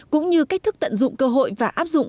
cũng như cách thức tận dụng cơ hội và áp dụng